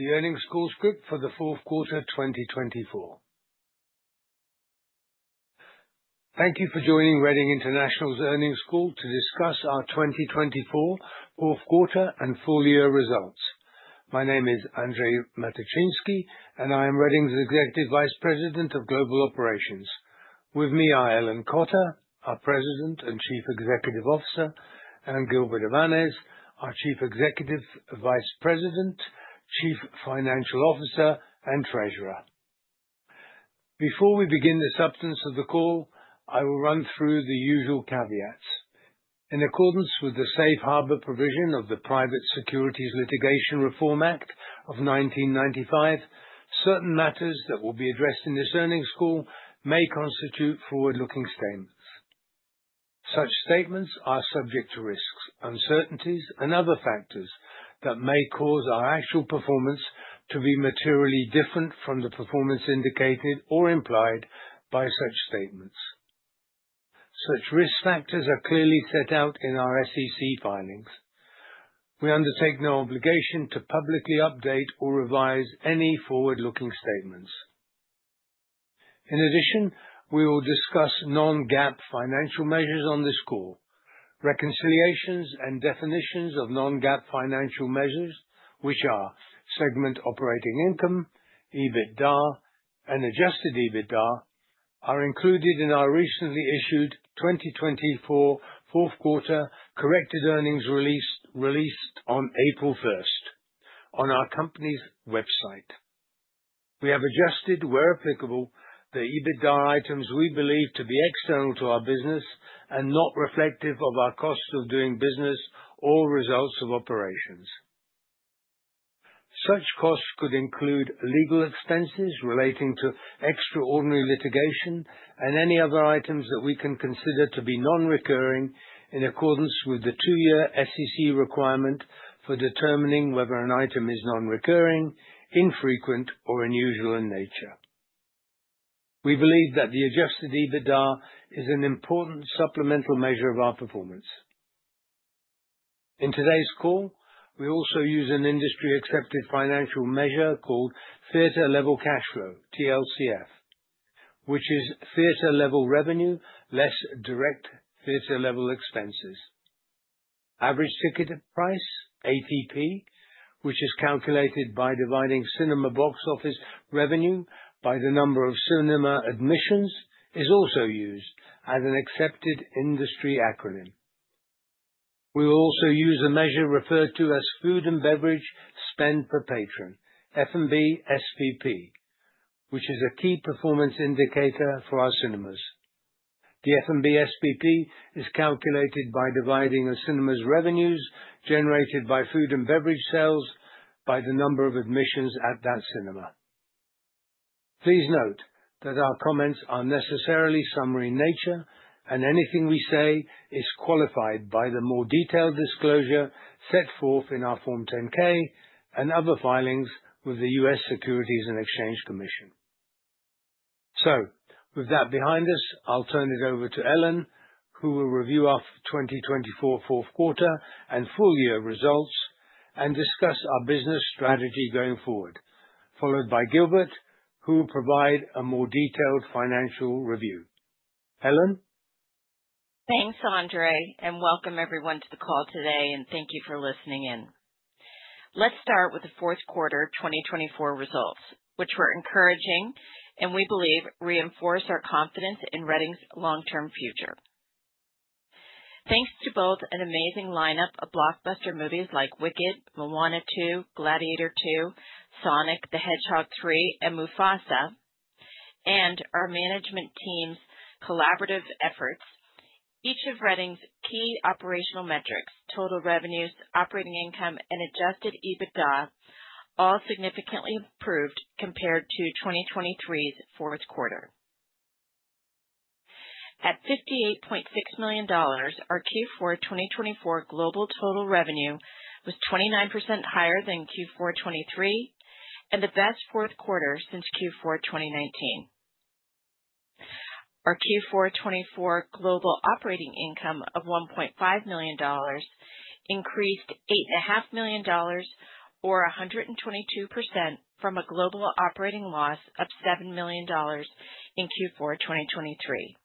This is the earnings call script for the fourth quarter 2024. Thank you for joining Reading International's earnings call to discuss our 2024 fourth quarter and full year results. My name is Andrzej Matyczynski, and I am Reading's Executive Vice President of Global Operations. With me are Ellen Cotter, our President and Chief Executive Officer, and Gilbert Avanes, our Executive Vice President, Chief Financial Officer, and Treasurer. Before we begin the substance of the call, I will run through the usual caveats. In accordance with the Safe Harbor Provision of the Private Securities Litigation Reform Act of 1995, certain matters that will be addressed in this earnings call may constitute forward-looking statements. Such statements are subject to risks, uncertainties, and other factors that may cause our actual performance to be materially different from the performance indicated or implied by such statements. Such risk factors are clearly set out in our SEC filings. We undertake no obligation to publicly update or revise any forward-looking statements. In addition, we will discuss non-GAAP financial measures on this call. Reconciliations and definitions of non-GAAP financial measures, which are Segment Operating Income, EBITDA, and Adjusted EBITDA, are included in our recently issued 2024 fourth quarter corrected earnings release released on April 1 on our company's website. We have adjusted, where applicable, the EBITDA items we believe to be external to our business and not reflective of our cost of doing business or results of operations. Such costs could include legal expenses relating to extraordinary litigation and any other items that we can consider to be non-recurring in accordance with the two-year SEC requirement for determining whether an item is non-recurring, infrequent, or unusual in nature. We believe that the adjusted EBITDA is an important supplemental measure of our performance. In today's call, we also use an industry-accepted financial measure called Theater Level Cash Flow (TLCF), which is Theater Level Revenue less Direct Theater Level Expenses. Average Ticket Price (ATP), which is calculated by dividing cinema box office revenue by the number of cinema admissions, is also used as an accepted industry acronym. We will also use a measure referred to as Food and Beverage Spend Per Patron (F&B SPP), which is a key performance indicator for our cinemas. The F&B SPP is calculated by dividing a cinema's revenues generated by food and beverage sales by the number of admissions at that cinema. Please note that our comments are necessarily summary in nature, and anything we say is qualified by the more detailed disclosure set forth in our Form 10-K and other filings with the US Securities and Exchange Commission. With that behind us, I'll turn it over to Ellen, who will review our 2024 fourth quarter and full year results, and discuss our business strategy going forward, followed by Gilbert, who will provide a more detailed financial review. Ellen? Thanks, Andrzej, and welcome everyone to the call today, and thank you for listening in. Let's start with the fourth quarter 2024 results, which were encouraging and we believe reinforced our confidence in Reading's long-term future. Thanks to both an amazing lineup of blockbuster movies like Wicked, Moana 2, Gladiator II, Sonic the Hedgehog 3, and Mufasa, and our management team's collaborative efforts, each of Reading's key operational metrics—total revenues, operating income, and adjusted EBITDA—all significantly improved compared to 2023's fourth quarter. At $58.6 million, our Q4 2024 global total revenue was 29% higher than Q4 2023, and the best fourth quarter since Q4 2019. Our Q4 2024 global operating income of $1.5 million increased $8.5 million, or 122% from a global operating loss of $7 million in Q4 2023,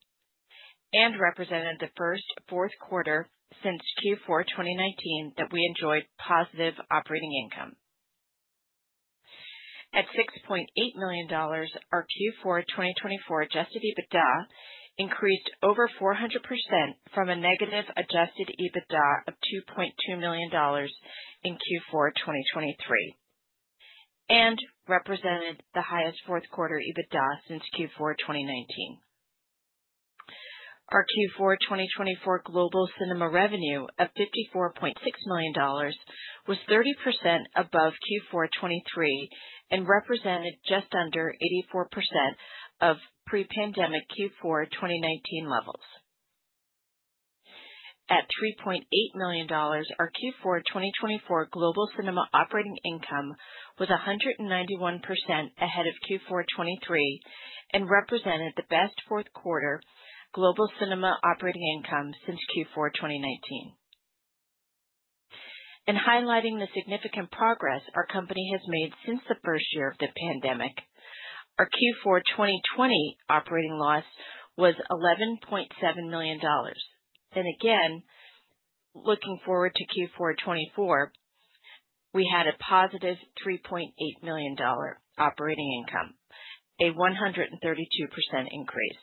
and represented the first fourth quarter since Q4 2019 that we enjoyed positive operating income. At $6.8 million, our Q4 2024 adjusted EBITDA increased over 400% from a negative adjusted EBITDA of $2.2 million in Q4 2023, and represented the highest fourth quarter EBITDA since Q4 2019. Our Q4 2024 global cinema revenue of $54.6 million was 30% above Q4 2023 and represented just under 84% of pre-pandemic Q4 2019 levels. At $3.8 million, our Q4 2024 global cinema operating income was 191% ahead of Q4 2023 and represented the best fourth quarter global cinema operating income since Q4 2019. In highlighting the significant progress our company has made since the first year of the pandemic, our Q4 2020 operating loss was $11.7 million. Again, looking forward to Q4 2024, we had a positive $3.8 million operating income, a 132% increase.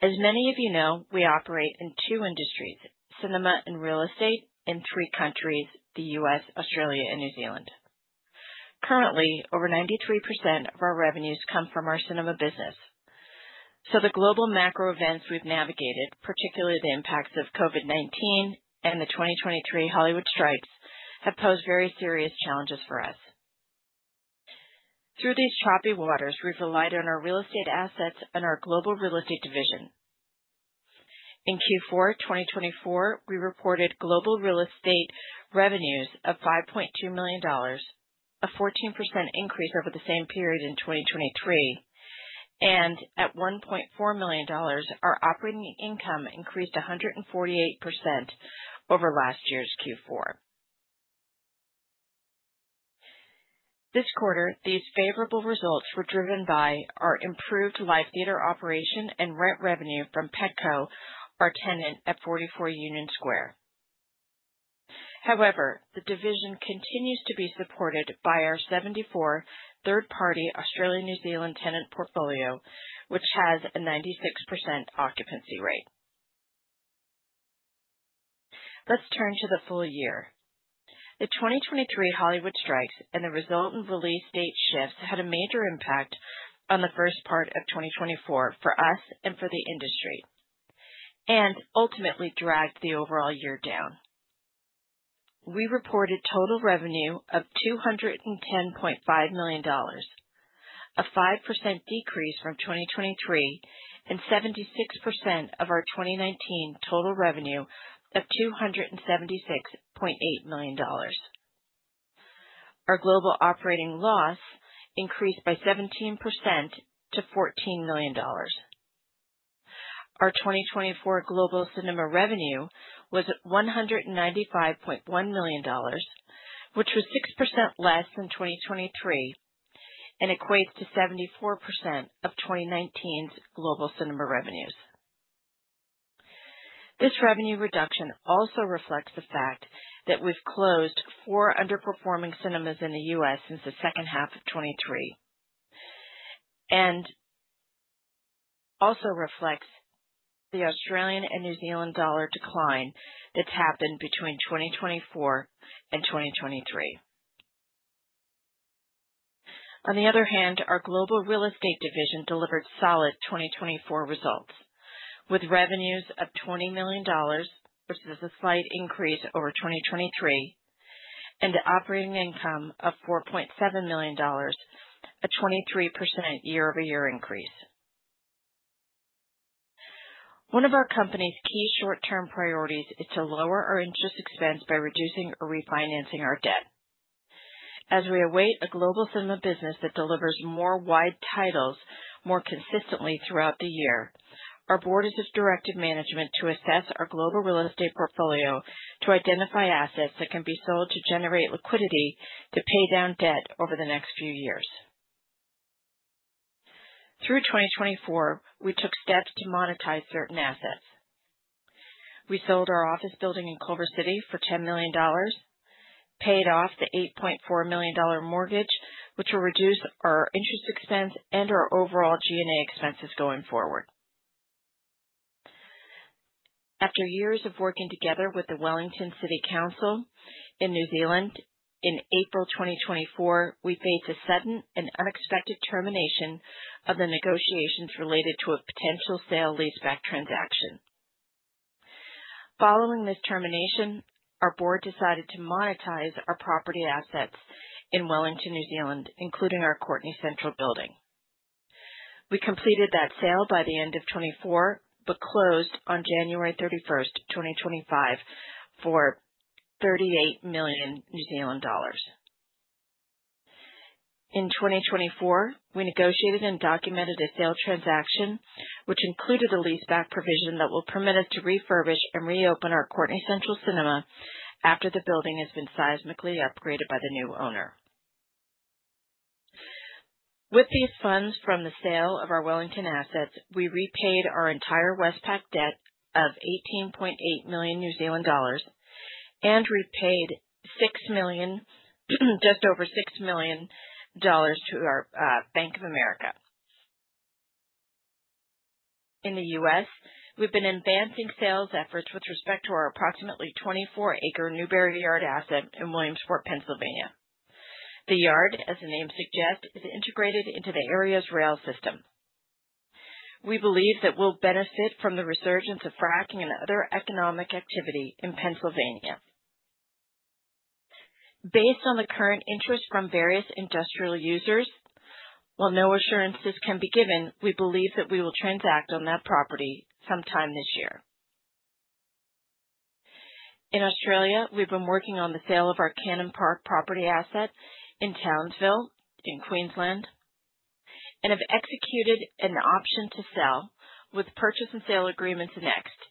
As many of you know, we operate in two industries: cinema and real estate, in three countries: the US, Australia, and New Zealand. Currently, over 93% of our revenues come from our cinema business. The global macro events we've navigated, particularly the impacts of COVID-19 and the 2023 Hollywood strikes, have posed very serious challenges for us. Through these choppy waters, we've relied on our real estate assets and our global real estate division. In Q4 2024, we reported global real estate revenues of $5.2 million, a 14% increase over the same period in 2023, and at $1.4 million, our operating income increased 148% over last year's Q4. This quarter, these favorable results were driven by our improved live theater operation and rent revenue from Petco, our tenant at 44 Union Square. However, the division continues to be supported by our 74 third-party Australia-New Zealand tenant portfolio, which has a 96% occupancy rate. Let's turn to the full year. The 2023 Hollywood strikes and the resultant release date shifts had a major impact on the first part of 2024 for us and for the industry, and ultimately dragged the overall year down. We reported total revenue of $210.5 million, a 5% decrease from 2023, and 76% of our 2019 total revenue of $276.8 million. Our global operating loss increased by 17% to $14 million. Our 2024 global cinema revenue was $195.1 million, which was 6% less than 2023 and equates to 74% of 2019's global cinema revenues. This revenue reduction also reflects the fact that we've closed four underperforming cinemas in the US since the second half of 2023, and also reflects the Australian and New Zealand dollar decline that's happened between 2024 and 2023. On the other hand, our global real estate division delivered solid 2024 results, with revenues of $20 million, which is a slight increase over 2023, and an operating income of $4.7 million, a 23% year-over-year increase. One of our company's key short-term priorities is to lower our interest expense by reducing or refinancing our debt. As we await a global cinema business that delivers more wide titles more consistently throughout the year, our board has directed management to assess our global real estate portfolio to identify assets that can be sold to generate liquidity to pay down debt over the next few years. Through 2024, we took steps to monetize certain assets. We sold our office building in Culver City for $10 million, paid off the $8.4 million mortgage, which will reduce our interest expense and our overall G&A expenses going forward. After years of working together with the Wellington City Council in New Zealand, in April 2024, we faced a sudden and unexpected termination of the negotiations related to a potential sale leaseback transaction. Following this termination, our board decided to monetize our property assets in Wellington, New Zealand, including our Courtenay Central building. We completed that sale by the end of 2024, but closed on January 31, 2025, for NZD 38 million. In 2024, we negotiated and documented a sale transaction, which included a leaseback provision that will permit us to refurbish and reopen our Courtenay Central cinema after the building has been seismically upgraded by the new owner. With these funds from the sale of our Wellington assets, we repaid our entire Westpac debt of 18.8 million New Zealand dollars and repaid just over $6 million to our Bank of America. In the U.S., we've been advancing sales efforts with respect to our approximately 24-acre Newberry Yard asset in Williamsport, Pennsylvania. The yard, as the name suggests, is integrated into the area's rail system. We believe that we'll benefit from the resurgence of fracking and other economic activity in Pennsylvania. Based on the current interest from various industrial users, while no assurances can be given, we believe that we will transact on that property sometime this year. In Australia, we've been working on the sale of our Cannon Park property asset in Townsville, in Queensland, and have executed an option to sell with purchase and sale agreements annexed,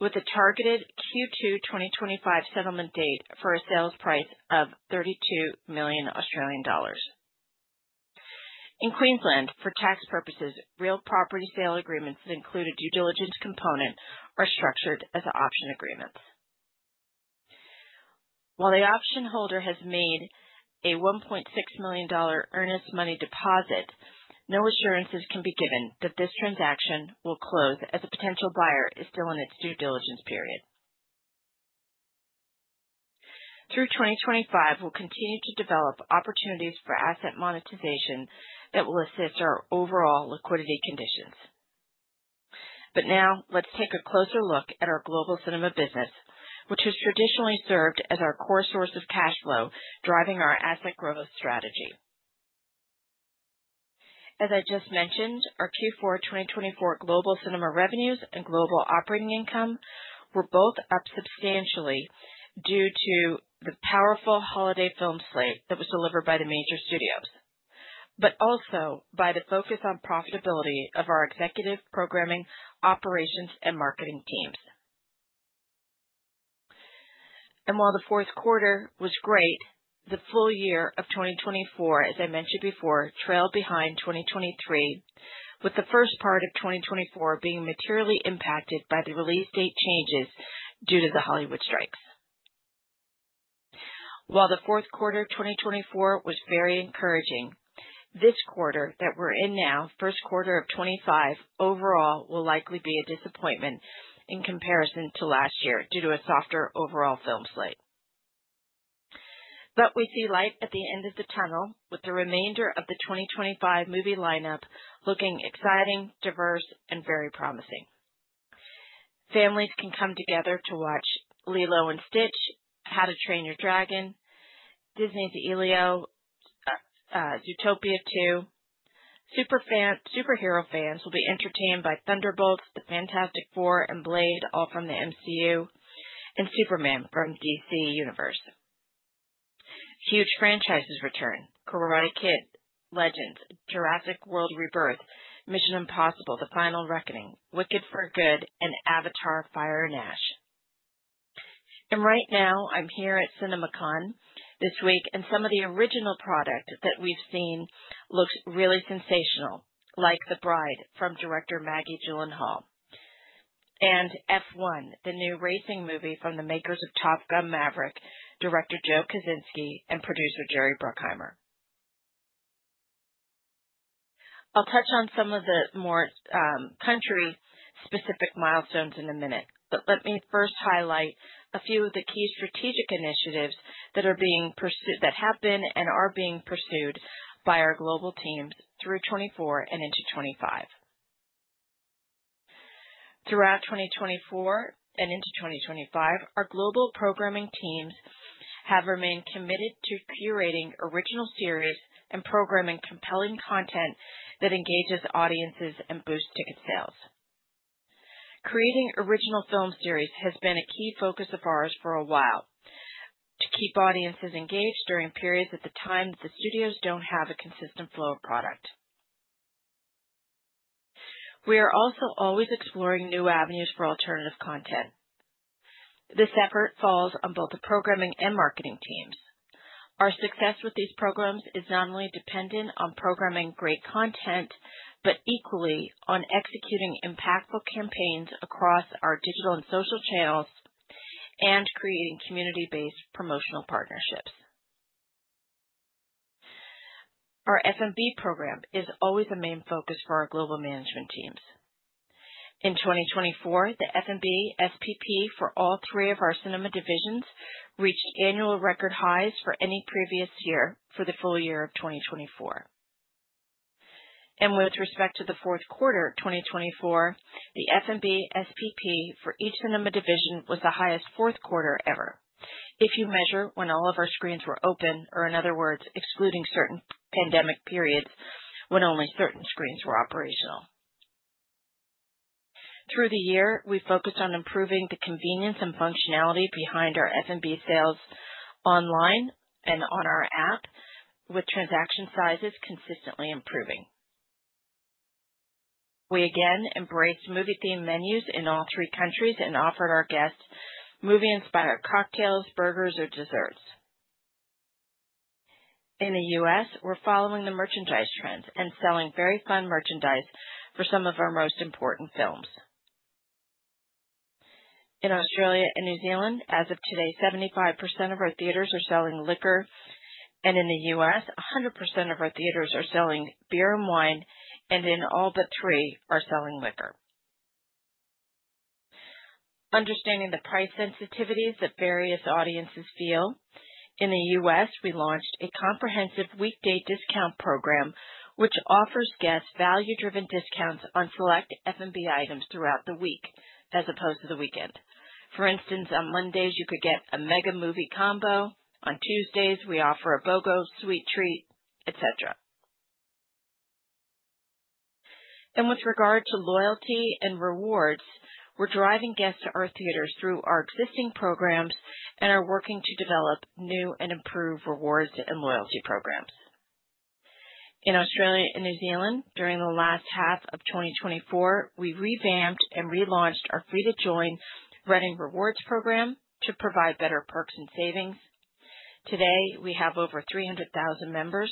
with a targeted Q2 2025 settlement date for a sales price of 32 million Australian dollars. In Queensland, for tax purposes, real property sale agreements that include a due diligence component are structured as option agreements. While the option holder has made a $1.6 million earnest money deposit, no assurances can be given that this transaction will close as a potential buyer is still in its due diligence period. Through 2025, we will continue to develop opportunities for asset monetization that will assist our overall liquidity conditions. Now, let's take a closer look at our global cinema business, which has traditionally served as our core source of cash flow driving our asset growth strategy. As I just mentioned, our Q4 2024 global cinema revenues and global operating income were both up substantially due to the powerful holiday film slate that was delivered by the major studios, but also by the focus on profitability of our executive programming operations and marketing teams. While the fourth quarter was great, the full year of 2024, as I mentioned before, trailed behind 2023, with the first part of 2024 being materially impacted by the release date changes due to the Hollywood strikes. While the fourth quarter 2024 was very encouraging, this quarter that we're in now, first quarter of 2025, overall will likely be a disappointment in comparison to last year due to a softer overall film slate. We see light at the end of the tunnel, with the remainder of the 2025 movie lineup looking exciting, diverse, and very promising. Families can come together to watch Lilo & Stitch, How to Train Your Dragon, Disney's Elio, Zootopia 2. Superhero fans will be entertained by Thunderbolts, The Fantastic Four, and Blade, all from the MCU, and Superman from DC Universe. Huge franchises return: Karate Kid: Legends, Jurassic World: Rebirth, Mission: Impossible - The Final Reckoning, Wicked Part Two, and Avatar: Fire and Ash. Right now, I'm here at CinemaCon this week, and some of the original product that we've seen looks really sensational, like The Bride from director Maggie Gyllenhaal, and F1, the new racing movie from the makers of Top Gun: Maverick, director Joe Kosinski, and producer Jerry Bruckheimer. I'll touch on some of the more country-specific milestones in a minute, but let me first highlight a few of the key strategic initiatives that are being pursued, that have been and are being pursued by our global teams through 2024 and into 2025. Throughout 2024 and into 2025, our global programming teams have remained committed to curating original series and programming compelling content that engages audiences and boosts ticket sales. Creating original film series has been a key focus of ours for a while to keep audiences engaged during periods at the time that the studios do not have a consistent flow of product. We are also always exploring new avenues for alternative content. This effort falls on both the programming and marketing teams. Our success with these programs is not only dependent on programming great content, but equally on executing impactful campaigns across our digital and social channels and creating community-based promotional partnerships. Our F&B program is always a main focus for our global management teams. In 2024, the F&B SPP for all three of our cinema divisions reached annual record highs for any previous year for the full year of 2024. With respect to the fourth quarter 2024, the F&B SPP for each cinema division was the highest fourth quarter ever, if you measure when all of our screens were open, or in other words, excluding certain pandemic periods when only certain screens were operational. Through the year, we focused on improving the convenience and functionality behind our F&B sales online and on our app, with transaction sizes consistently improving. We again embraced movie-themed menus in all three countries and offered our guests movie-inspired cocktails, burgers, or desserts. In the US, we're following the merchandise trends and selling very fun merchandise for some of our most important films. In Australia and New Zealand, as of today, 75% of our theaters are selling liquor, and in the US, 100% of our theaters are selling beer and wine, and in all but three are selling liquor. Understanding the price sensitivities that various audiences feel, in the U.S., we launched a comprehensive weekday discount program, which offers guests value-driven discounts on select F&B items throughout the week as opposed to the weekend. For instance, on Mondays, you could get a Mega Movie Combo; on Tuesdays, we offer a BOGO sweet treat, etc. With regard to loyalty and rewards, we're driving guests to our theaters through our existing programs and are working to develop new and improved rewards and loyalty programs. In Australia and New Zealand, during the last half of 2024, we revamped and relaunched our free-to-join Reading Rewards program to provide better perks and savings. Today, we have over 300,000 members.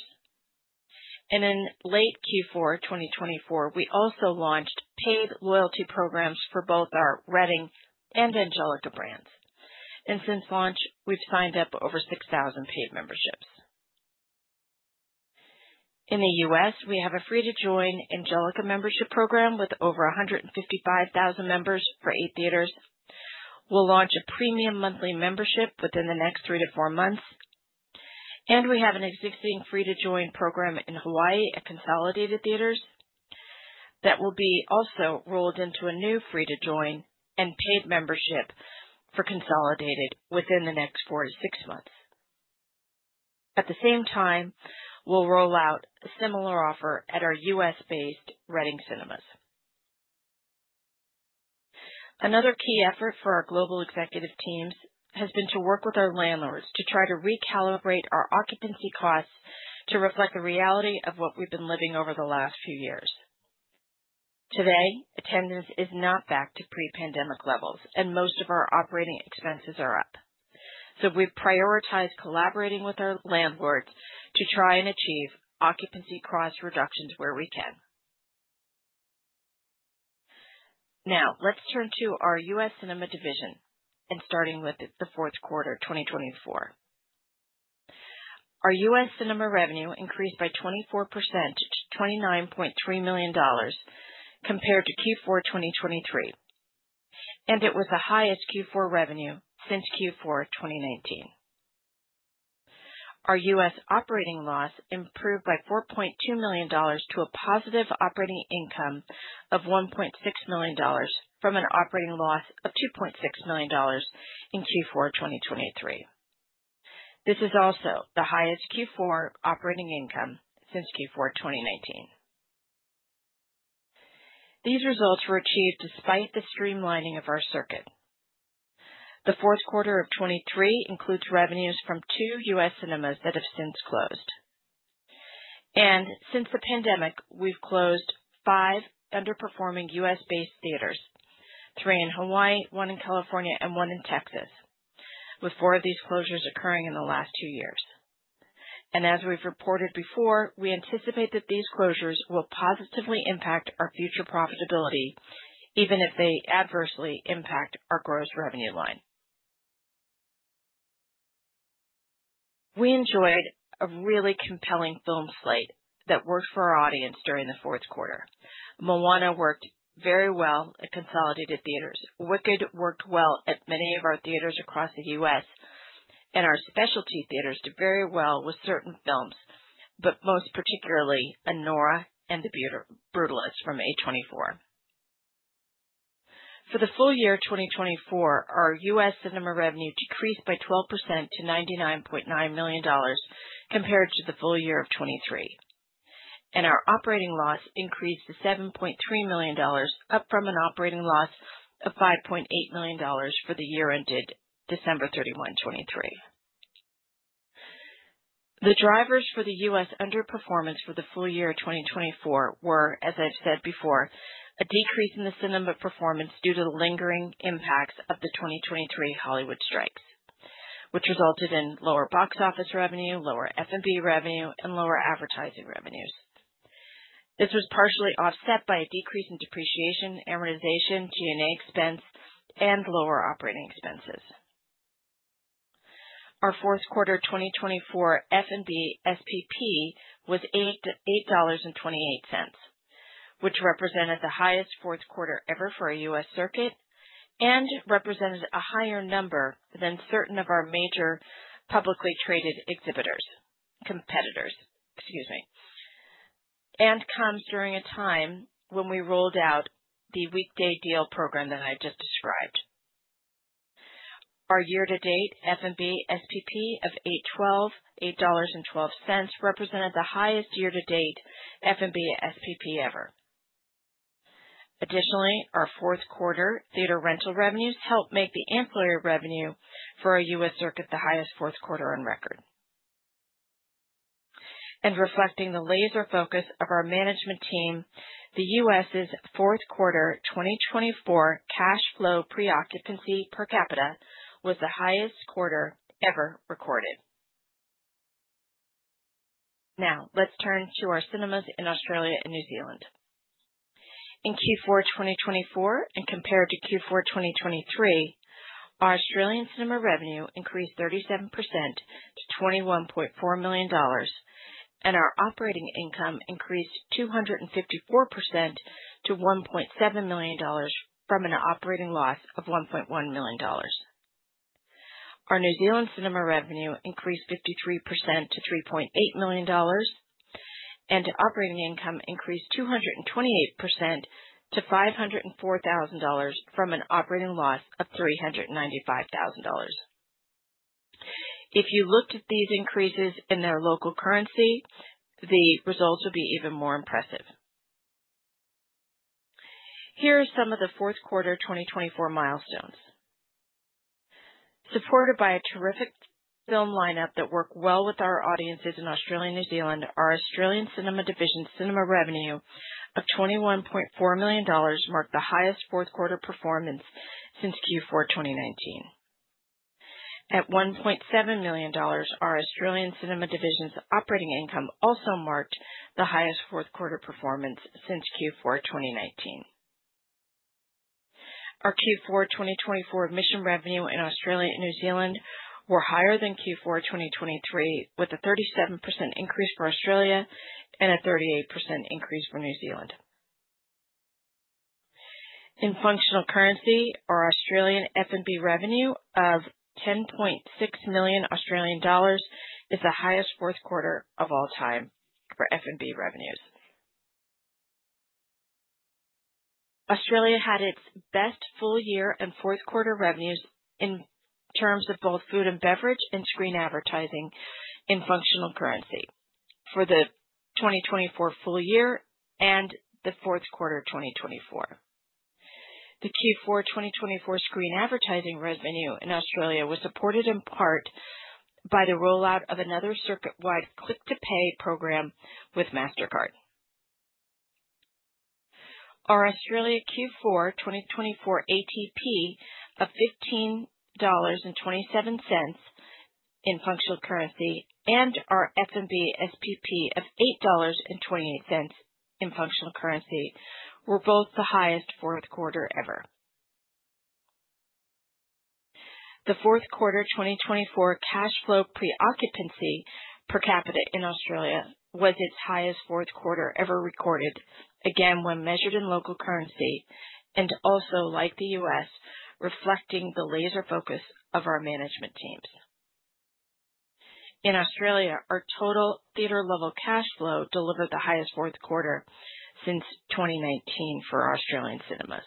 In late Q4 2024, we also launched paid loyalty programs for both our Reading and Angelika brands. Since launch, we've signed up over 6,000 paid memberships. In the U.S., we have a free-to-join Angelika membership program with over 155,000 members for eight theaters. We will launch a premium monthly membership within the next three to four months. We have an existing free-to-join program in Hawaii at Consolidated Theatres that will be also rolled into a new free-to-join and paid membership for Consolidated within the next four to six months. At the same time, we will roll out a similar offer at our U.S.-based Reading cinemas. Another key effort for our global executive teams has been to work with our landlords to try to recalibrate our occupancy costs to reflect the reality of what we have been living over the last few years. Today, attendance is not back to pre-pandemic levels, and most of our operating expenses are up. We have prioritized collaborating with our landlords to try and achieve occupancy cost reductions where we can. Now, let's turn to our US cinema division and starting with the fourth quarter 2024. Our US cinema revenue increased by 24% to $29.3 million compared to Q4 2023, and it was the highest Q4 revenue since Q4 2019. Our US operating loss improved by $4.2 million to a positive operating income of $1.6 million from an operating loss of $2.6 million in Q4 2023. This is also the highest Q4 operating income since Q4 2019. These results were achieved despite the streamlining of our circuit. The fourth quarter of 2023 includes revenues from two US cinemas that have since closed. Since the pandemic, we have closed five underperforming US-based theaters, three in Hawaii, one in California, and one in Texas, with four of these closures occurring in the last two years. As we've reported before, we anticipate that these closures will positively impact our future profitability, even if they adversely impact our gross revenue line. We enjoyed a really compelling film slate that worked for our audience during the fourth quarter. Moana worked very well at Consolidated Theatres. Wicked worked well at many of our theaters across the US, and our specialty theaters did very well with certain films, but most particularly Anora and The Brutalist from A24. For the full year 2024, our US cinema revenue decreased by 12% to $99.9 million compared to the full year of 2023. Our operating loss increased to $7.3 million, up from an operating loss of $5.8 million for the year ended December 31, 2023. The drivers for the US underperformance for the full year of 2024 were, as I've said before, a decrease in the cinema performance due to the lingering impacts of the 2023 Hollywood strikes, which resulted in lower box office revenue, lower F&B revenue, and lower advertising revenues. This was partially offset by a decrease in depreciation, amortization, G&A expense, and lower operating expenses. Our fourth quarter 2024 F&B SPP was $8.28, which represented the highest fourth quarter ever for a US circuit and represented a higher number than certain of our major publicly traded exhibitors, competitors, excuse me, and comes during a time when we rolled out the weekday deal program that I've just described. Our year-to-date F&B SPP of $8.12, $8.12 represented the highest year-to-date F&B SPP ever. Additionally, our fourth quarter theater rental revenues helped make the ancillary revenue for a U.S. circuit the highest fourth quarter on record. Reflecting the laser focus of our management team, the U.S.'s fourth quarter 2024 cash flow pre-occupancy per capita was the highest quarter ever recorded. Now, let's turn to our cinemas in Australia and New Zealand. In Q4 2024, and compared to Q4 2023, our Australian cinema revenue increased 37% to 21.4 million dollars, and our operating income increased 254% to 1.7 million dollars from an operating loss of 1.1 million dollars. Our New Zealand cinema revenue increased 53% to 3.8 million dollars, and operating income increased 228% to 504,000 dollars from an operating loss of 395,000 dollars. If you looked at these increases in their local currency, the results would be even more impressive. Here are some of the fourth quarter 2024 milestones. Supported by a terrific film lineup that worked well with our audiences in Australia and New Zealand, our Australian cinema division's cinema revenue of 21.4 million dollars marked the highest fourth quarter performance since Q4 2019. At 1.7 million dollars, our Australian cinema division's operating income also marked the highest fourth quarter performance since Q4 2019. Our Q4 2024 admission revenue in Australia and New Zealand were higher than Q4 2023, with a 37% increase for Australia and a 38% increase for New Zealand. In functional currency, our Australian F&B revenue of 10.6 million Australian dollars is the highest fourth quarter of all time for F&B revenues. Australia had its best full year and fourth quarter revenues in terms of both food and beverage and screen advertising in functional currency for the 2024 full year and the fourth quarter 2024. The Q4 2024 screen advertising revenue in Australia was supported in part by the rollout of another circuit-wide Click to Pay program with Mastercard. Our Australia Q4 2024 ATP of 15.27 dollars in functional currency and our F&B SPP of 8.28 dollars in functional currency were both the highest fourth quarter ever. The fourth quarter 2024 cash flow pre-occupancy per capita in Australia was its highest fourth quarter ever recorded, again when measured in local currency, and also, like the U.S., reflecting the laser focus of our management teams. In Australia, our total theater-level cash flow delivered the highest fourth quarter since 2019 for Australian cinemas.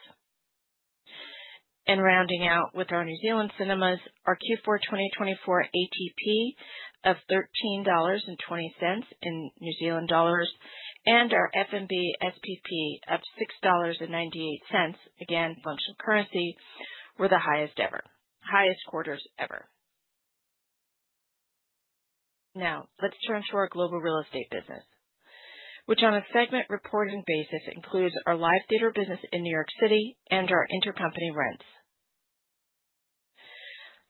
Rounding out with our New Zealand cinemas, our Q4 2024 ATP of NZD 13.20 and our F&B SPP of 6.98 dollars, again functional currency, were the highest quarters ever. Now, let's turn to our global real estate business, which on a segment reporting basis includes our live theater business in New York City and our intercompany rents.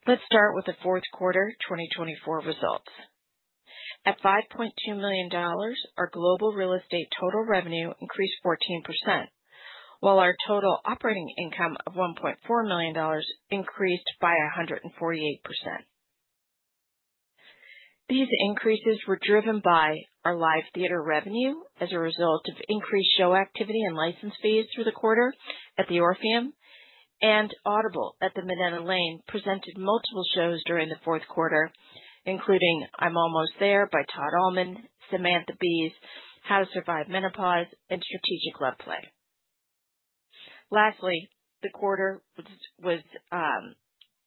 Let's start with the fourth quarter 2024 results. At $5.2 million, our global real estate total revenue increased 14%, while our total operating income of $1.4 million increased by 148%. These increases were driven by our live theater revenue as a result of increased show activity and license fees through the quarter at the Orpheum, and Audible at the Minetta Lane presented multiple shows during the fourth quarter, including I'm Almost There by Todd Almond, Samantha Bee's How to Survive Menopause, and Strategic Love Play. Lastly, the quarter was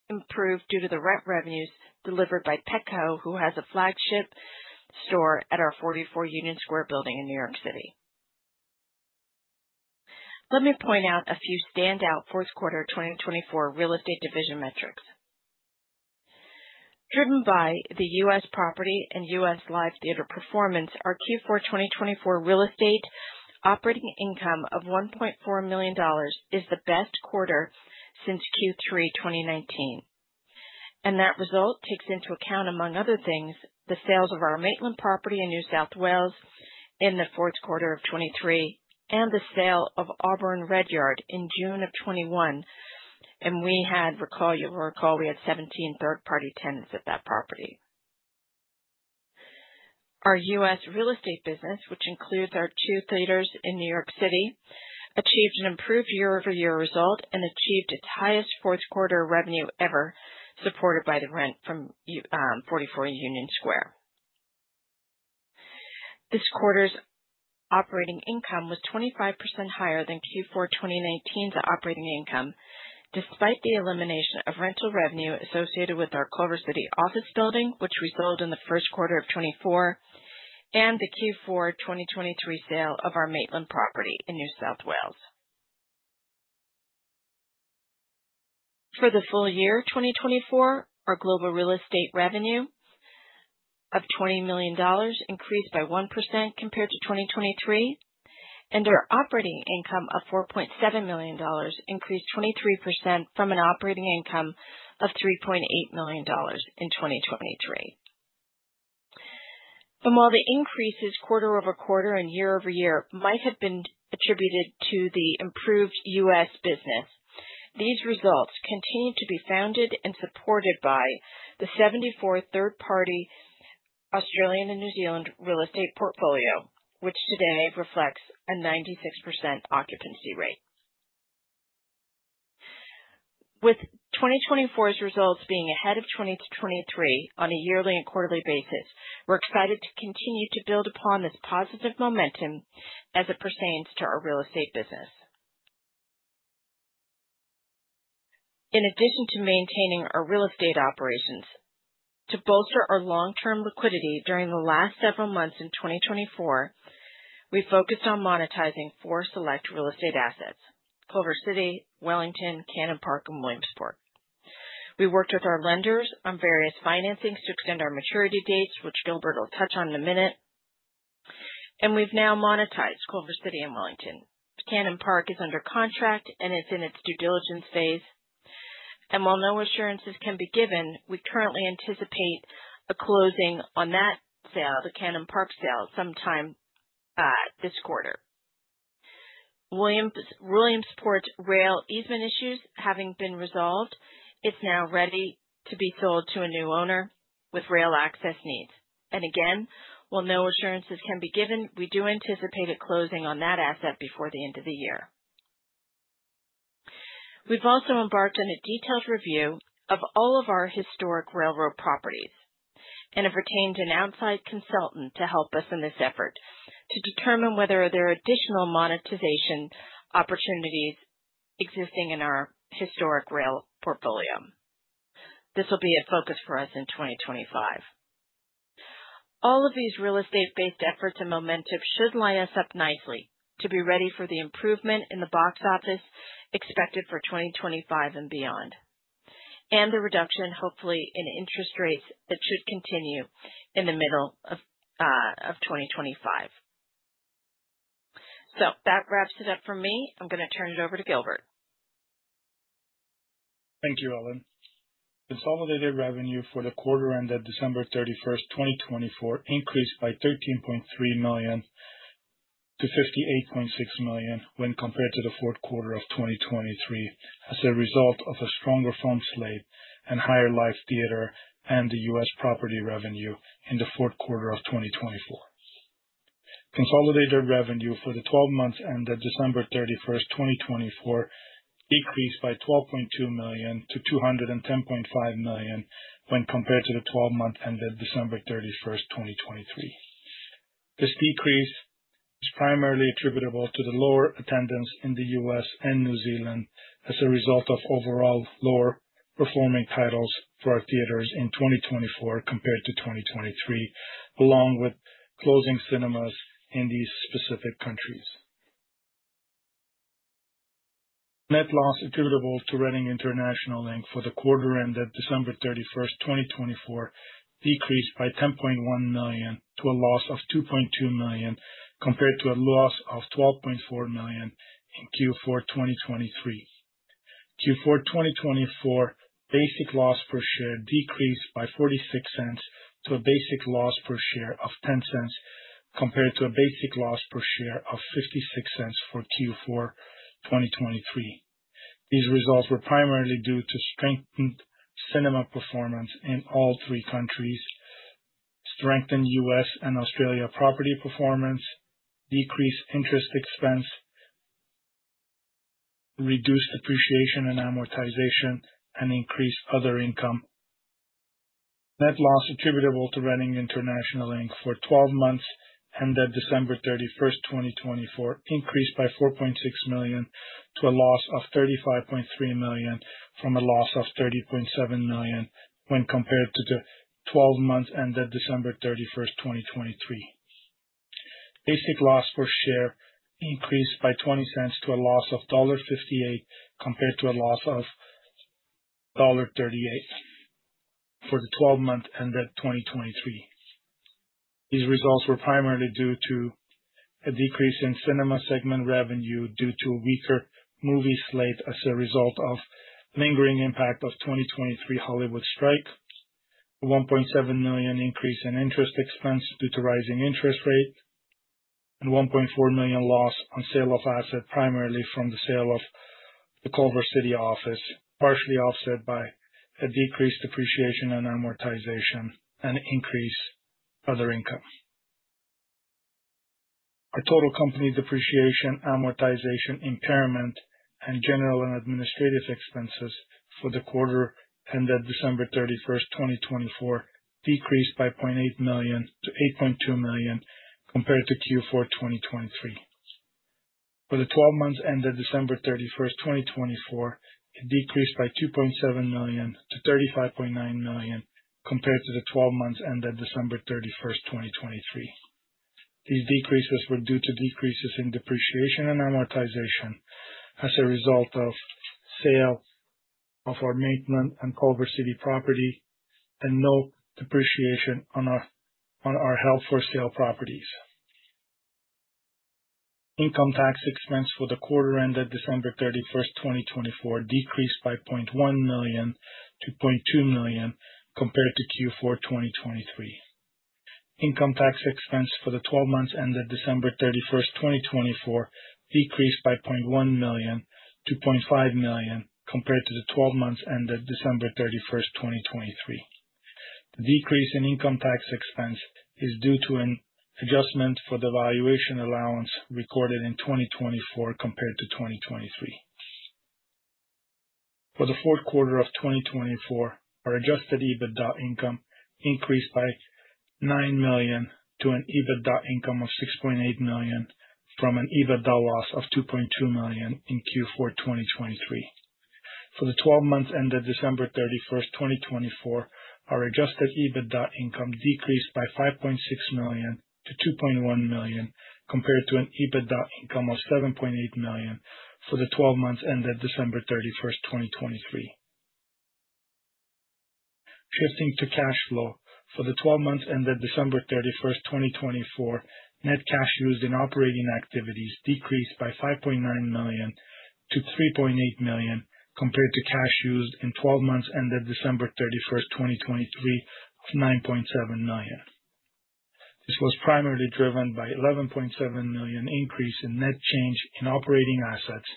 improved due to the rent revenues delivered by Petco, who has a flagship store at our 44 Union Square building in New York City. Let me point out a few standout fourth quarter 2024 real estate division metrics. Driven by the US property and US live theater performance, our Q4 2024 real estate operating income of $1.4 million is the best quarter since Q3 2019. That result takes into account, among other things, the sales of our Maitland property in New South Wales in the fourth quarter of 2023 and the sale of Auburn Redyard in June of 2021. Recall you will recall, we had 17 third-party tenants at that property. Our US real estate business, which includes our two theaters in New York City, achieved an improved year-over-year result and achieved its highest fourth quarter revenue ever, supported by the rent from 44 Union Square. This quarter's operating income was 25% higher than Q4 2019's operating income, despite the elimination of rental revenue associated with our Culver City office building, which we sold in the first quarter of 2024, and the Q4 2023 sale of our Maitland property in New South Wales. For the full year 2024, our global real estate revenue of $20 million increased by 1% compared to 2023, and our operating income of $4.7 million increased 23% from an operating income of $3.8 million in 2023. While the increases quarter over quarter and year over year might have been attributed to the improved US business, these results continue to be founded and supported by the 74 third-party Australian and New Zealand real estate portfolio, which today reflects a 96% occupancy rate. With 2024's results being ahead of 2023 on a yearly and quarterly basis, we're excited to continue to build upon this positive momentum as it pertains to our real estate business. In addition to maintaining our real estate operations, to bolster our long-term liquidity during the last several months in 2024, we focused on monetizing four select real estate assets: Culver City, Wellington, Cannon Park, and Williamsport. We worked with our lenders on various financings to extend our maturity dates, which Gilbert will touch on in a minute. We've now monetized Culver City and Wellington. Cannon Park is under contract and is in its due diligence phase. While no assurances can be given, we currently anticipate a closing on that sale, the Cannon Park sale, sometime this quarter. Williamsport's rail easement issues having been resolved, it's now ready to be sold to a new owner with rail access needs. While no assurances can be given, we do anticipate a closing on that asset before the end of the year. We've also embarked on a detailed review of all of our historic railroad properties and have retained an outside consultant to help us in this effort to determine whether there are additional monetization opportunities existing in our historic rail portfolio. This will be a focus for us in 2025. All of these real estate-based efforts and momentum should line us up nicely to be ready for the improvement in the box office expected for 2025 and beyond, and the reduction, hopefully, in interest rates that should continue in the middle of 2025. That wraps it up for me. I'm going to turn it over to Gilbert. Thank you, Ellen. Consolidated revenue for the quarter ended December 31, 2024, increased by $13.3 million to $58.6 million when compared to the fourth quarter of 2023 as a result of a stronger film slate and higher live theater and U.S. property revenue in the fourth quarter of 2024. Consolidated revenue for the 12 months ended December 31, 2024, decreased by $12.2 million to $210.5 million when compared to the 12 months ended December 31, 2023. This decrease is primarily attributable to the lower attendance in the U.S. and New Zealand as a result of overall lower performing titles for our theaters in 2024 compared to 2023, along with closing cinemas in these specific countries. Net loss attributable to Reading International for the quarter ended December 31, 2024, decreased by $10.1 million to a loss of $2.2 million compared to a loss of $12.4 million in Q4 2023. Q4 2024 basic loss per share decreased by $0.46 to a basic loss per share of $0.10 compared to a basic loss per share of $0.56 for Q4 2023. These results were primarily due to strengthened cinema performance in all three countries, strengthened US and Australia property performance, decreased interest expense, reduced depreciation and amortization, and increased other income. Net loss attributable to Reading International for 12 months ended December 31, 2024, increased by $4.6 million to a loss of $35.3 million from a loss of $30.7 million when compared to the 12 months ended December 31, 2023. Basic loss per share increased by $0.20 to a loss of $1.58 compared to a loss of $1.38 for the 12 months ended 2023. These results were primarily due to a decrease in cinema segment revenue due to a weaker movie slate as a result of lingering impact of 2023 Hollywood strike, a $1.7 million increase in interest expense due to rising interest rate, and a $1.4 million loss on sale of asset primarily from the sale of the Culver City office, partially offset by a decreased depreciation and amortization and increased other income. Our total company depreciation, amortization, impairment, and general and administrative expenses for the quarter ended December 31, 2024, decreased by $0.8 million to $8.2 million compared to Q4 2023. For the 12 months ended December 31, 2024, it decreased by $2.7 million to $35.9 million compared to the 12 months ended December 31, 2023. These decreases were due to decreases in depreciation and amortization as a result of sale of our Maitland and Culver City property and no depreciation on our held for sale properties. Income tax expense for the quarter ended December 31, 2024, decreased by $0.1 million to $0.2 million compared to Q4 2023. Income tax expense for the 12 months ended December 31, 2024, decreased by $0.1 million to $0.5 million compared to the 12 months ended December 31, 2023. The decrease in income tax expense is due to an adjustment for the valuation allowance recorded in 2024 compared to 2023. For the fourth quarter of 2024, our adjusted EBITDA income increased by $9 million to an EBITDA income of $6.8 million from an EBITDA loss of $2.2 million in Q4 2023. For the 12 months ended December 31, 2024, our adjusted EBITDA income decreased by $5.6 million to $2.1 million compared to an EBITDA income of $7.8 million for the 12 months ended December 31, 2023. Shifting to cash flow, for the 12 months ended December 31, 2024, net cash used in operating activities decreased by $5.9 million to $3.8 million compared to cash used in 12 months ended December 31, 2023, of $9.7 million. This was primarily driven by an $11.7 million increase in net change in operating assets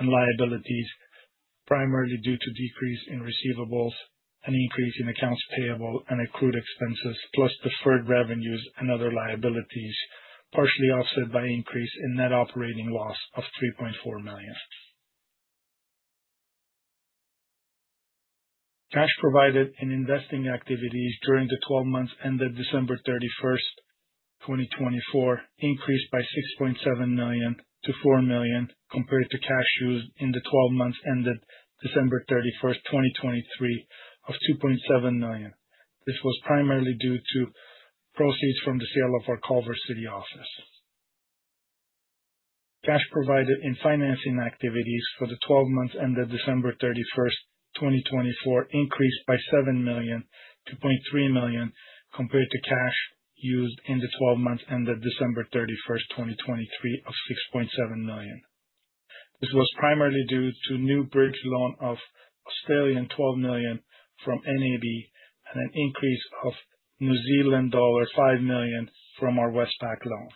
and liabilities, primarily due to a decrease in receivables and an increase in accounts payable and accrued expenses, plus deferred revenues and other liabilities, partially offset by an increase in net operating loss of $3.4 million. Cash provided in investing activities during the 12 months ended December 31, 2024, increased by $6.7 million to $4 million compared to cash used in the 12 months ended December 31, 2023, of $2.7 million. This was primarily due to proceeds from the sale of our Culver City office. Cash provided in financing activities for the 12 months ended December 31, 2024, increased by $7 million to $0.3 million compared to cash used in the 12 months ended December 31, 2023, of $6.7 million. This was primarily due to a new bridge loan of $12 million from NAB and an increase of $5 million from our Westpac loan.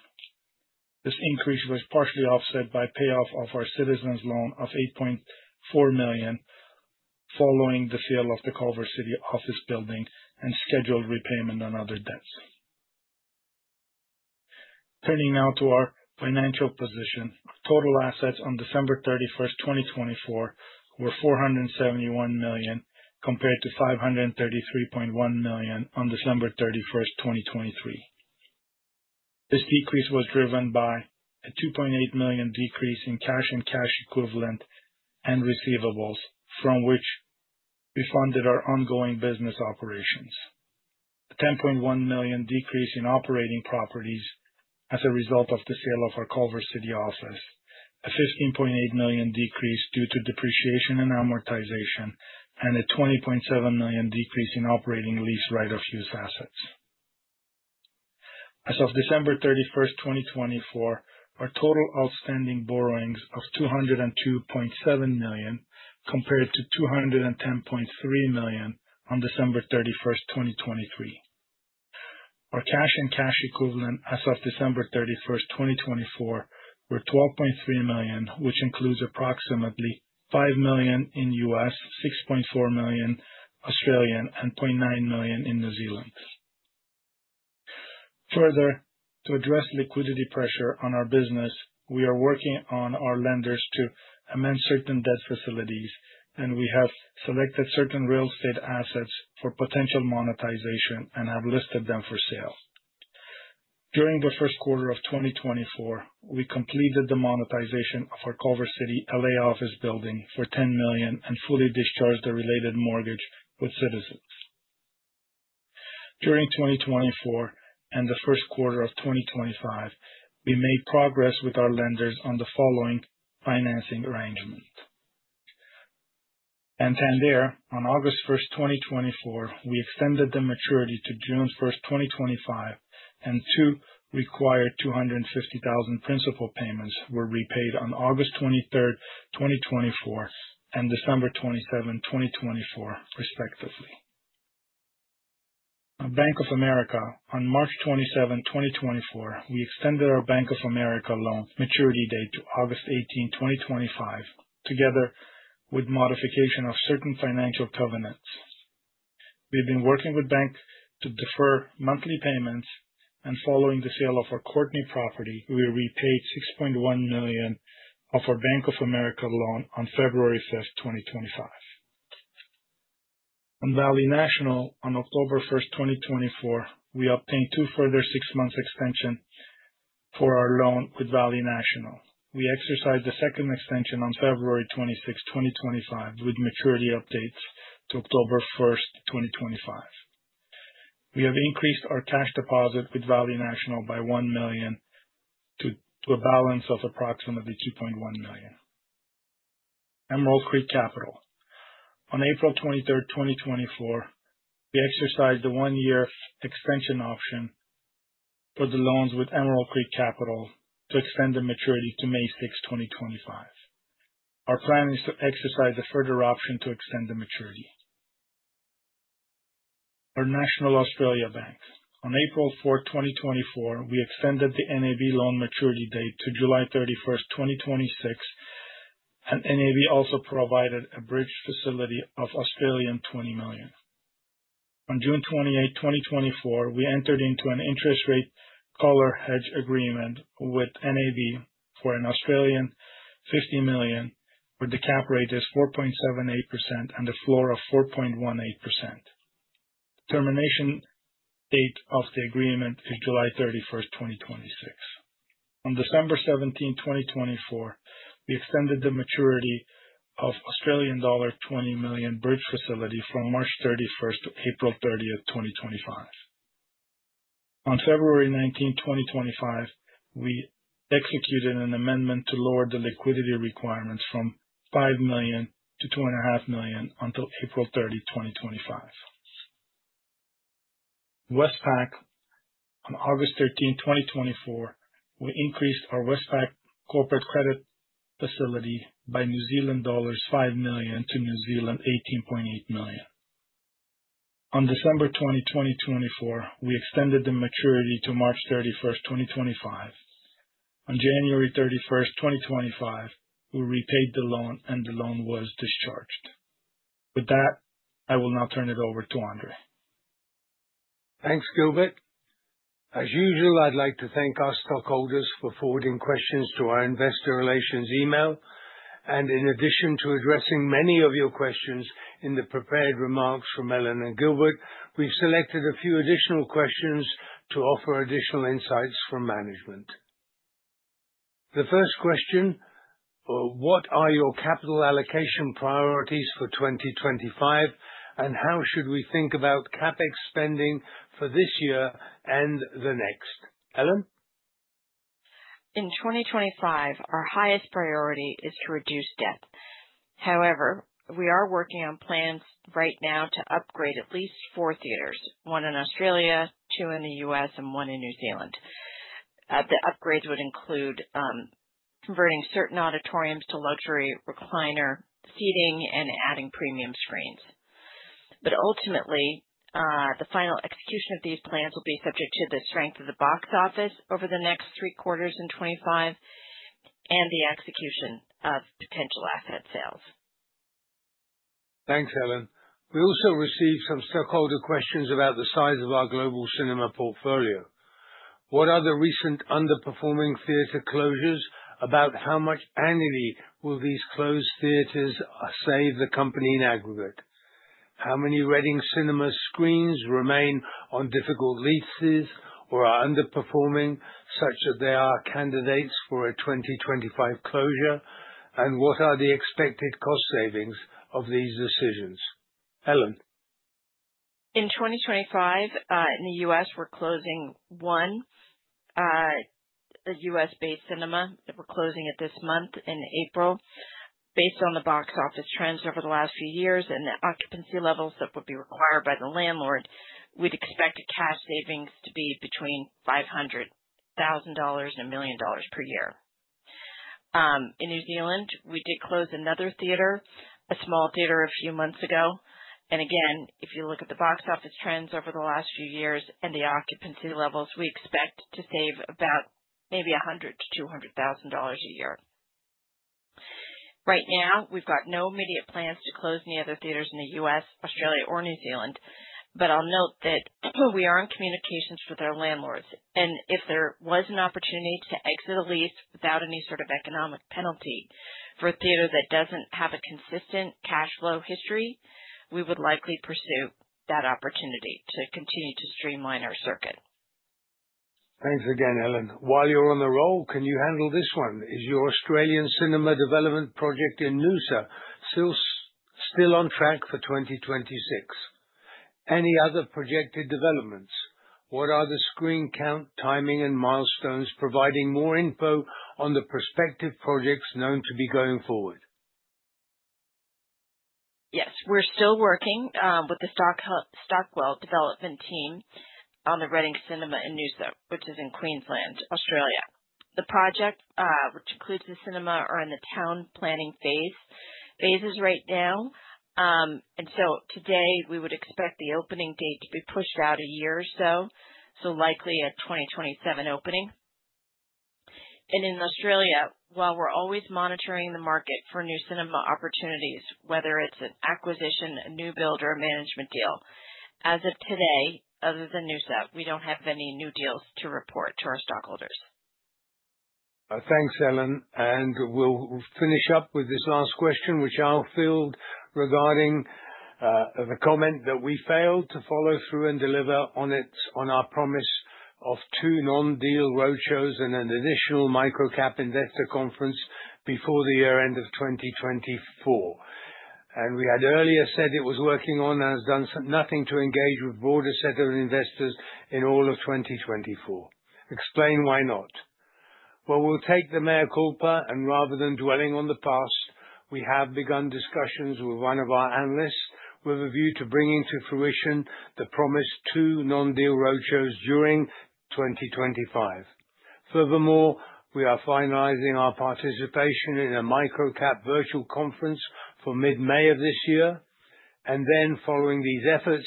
This increase was partially offset by the payoff of our Citizens loan of $8.4 million following the sale of the Culver City office building and scheduled repayment on other debts. Turning now to our financial position, our total assets on December 31, 2024, were $471 million compared to $533.1 million on December 31, 2023. This decrease was driven by a $2.8 million decrease in cash and cash equivalent and receivables, from which we funded our ongoing business operations, a $10.1 million decrease in operating properties as a result of the sale of our Culver City office, a $15.8 million decrease due to depreciation and amortization, and a $20.7 million decrease in operating lease right-of-use assets. As of December 31, 2024, our total outstanding borrowings were $202.7 million compared to $210.3 million on December 31, 2023. Our cash and cash equivalent as of December 31, 2024, were $12.3 million, which includes approximately $5 million in US, $6.4 million in Australia, and $0.9 million in New Zealand. Further, to address liquidity pressure on our business, we are working on our lenders to amend certain debt facilities, and we have selected certain real estate assets for potential monetization and have listed them for sale. During the first quarter of 2024, we completed the monetization of our Culver City LA office building for $10 million and fully discharged the related mortgage with Citizens. During 2024 and the first quarter of 2025, we made progress with our lenders on the following financing arrangement. On August 1, 2024, we extended the maturity to June 1, 2025, and two required $250,000 principal payments were repaid on August 23, 2024, and December 27, 2024, respectively. At Bank of America, on March 27, 2024, we extended our Bank of America loan maturity date to August 18, 2025, together with modification of certain financial covenants. We have been working with the bank to defer monthly payments, and following the sale of our Courtenay property, we repaid $6.1 million of our Bank of America loan on February 5, 2025. On Valley National, on October 1, 2024, we obtained two further six-month extensions for our loan with Valley National. We exercised the second extension on February 26, 2025, with maturity updates to October 1, 2025. We have increased our cash deposit with Valley National by $1 million to a balance of approximately $2.1 million. Emerald Creek Capital. On April 23, 2024, we exercised the one-year extension option for the loans with Emerald Creek Capital to extend the maturity to May 6, 2025. Our plan is to exercise a further option to extend the maturity. Our National Australia Bank. On April 4, 2024, we extended the NAB loan maturity date to July 31, 2026, and NAB also provided a bridge facility of 20 million. On June 28, 2024, we entered into an interest rate collar hedge agreement with NAB for 50 million, where the cap rate is 4.78% and the floor of 4.18%. The termination date of the agreement is July 31, 2026. On December 17, 2024, we extended the maturity of an Australian dollar 20 million bridge facility from March 31 to April 30, 2025. On February 19, 2025, we executed an amendment to lower the liquidity requirements from $5 million to $2.5 million until April 30, 2025. Westpac. On August 13, 2024, we increased our Westpac corporate credit facility by New Zealand dollars 5 million to 18.8 million. On December 20, 2024, we extended the maturity to March 31, 2025. On January 31, 2025, we repaid the loan, and the loan was discharged. With that, I will now turn it over to Andrzej. Thanks, Gilbert. As usual, I'd like to thank our stockholders for forwarding questions to our investor relations email. In addition to addressing many of your questions in the prepared remarks from Ellen and Gilbert, we've selected a few additional questions to offer additional insights from management. The first question: What are your capital allocation priorities for 2025, and how should we think about CapEx spending for this year and the next? Ellen? In 2025, our highest priority is to reduce debt. However, we are working on plans right now to upgrade at least four theaters: one in Australia, two in the U.S., and one in New Zealand. The upgrades would include converting certain auditoriums to luxury recliner seating and adding premium screens. Ultimately, the final execution of these plans will be subject to the strength of the box office over the next three quarters in 2025 and the execution of potential asset sales. Thanks, Ellen. We also received some stockholder questions about the size of our global cinema portfolio. What are the recent underperforming theater closures? About how much annually will these closed theaters save the company in aggregate? How many Reading cinema screens remain on difficult leases or are underperforming such that they are candidates for a 2025 closure? What are the expected cost savings of these decisions? Ellen? In 2025, in the U.S., we're closing one U.S.-based cinema. We're closing it this month in April. Based on the box office trends over the last few years and the occupancy levels that would be required by the landlord, we'd expect cash savings to be between $500,000 and $1 million per year. In New Zealand, we did close another theater, a small theater, a few months ago. If you look at the box office trends over the last few years and the occupancy levels, we expect to save about maybe $100,000 to $200,000 a year. Right now, we've got no immediate plans to close any other theaters in the U.S., Australia, or New Zealand, but I'll note that we are in communications with our landlords. If there was an opportunity to exit a lease without any sort of economic penalty for a theater that does not have a consistent cash flow history, we would likely pursue that opportunity to continue to streamline our circuit. Thanks again, Ellen. While you're on the roll, can you handle this one? Is your Australian cinema development project in Noosa still on track for 2026? Any other projected developments? What are the screen count, timing, and milestones providing more info on the prospective projects known to be going forward? Yes, we're still working with the Stockwell development team on the Reading Cinema in Noosa, which is in Queensland, Australia. The project, which includes the cinema, is in the town planning phase right now. As of today, we would expect the opening date to be pushed out a year or so, so likely a 2027 opening. In Australia, while we're always monitoring the market for new cinema opportunities, whether it's an acquisition, a new build, or a management deal, as of today, other than Noosa, we don't have any new deals to report to our stockholders. Thanks, Ellen. We'll finish up with this last question, which I'll field regarding the comment that we failed to follow through and deliver on our promise of two non-deal roadshows and an additional microcap investor conference before the year-end of 2024. We had earlier said it was working on and has done nothing to engage with a broader set of investors in all of 2024. Explain why not. We'll take the mea culpa, and rather than dwelling on the past, we have begun discussions with one of our analysts with a view to bringing to fruition the promised two non-deal roadshows during 2025. Furthermore, we are finalizing our participation in a microcap virtual conference for mid-May of this year. Following these efforts,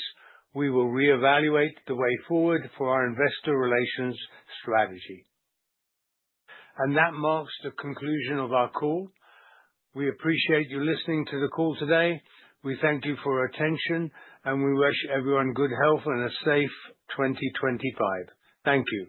we will reevaluate the way forward for our investor relations strategy. That marks the conclusion of our call. We appreciate your listening to the call today. We thank you for your attention, and we wish everyone good health and a safe 2025. Thank you.